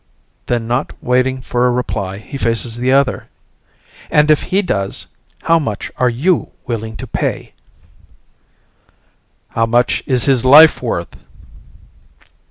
Then not waiting for a reply he faces the other, "And if he does, how much are you willing to pay?" "How much is his life worth?"